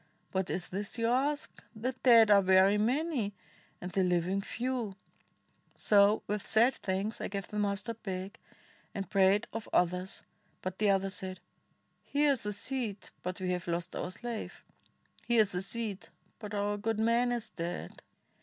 what is this you ask? the dead Are very many, and the Hving few 1 ' So with sad thanks I gave the mustard back, ' And prayed of others; but the others said, 'Here is the seed, but we have lost our slave!' 'Here is the seed, but our good man is dead!'